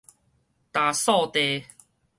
焦燥地